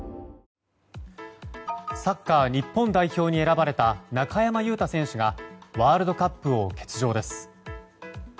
サッカー日本代表に選ばれた中山雄太選手がワールドカップを欠場です。